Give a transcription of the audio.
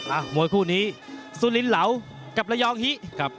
มวยคู่นี้สุลินเหลากับระยองฮิครับ